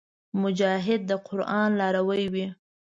مجاهد د قران لاروي وي.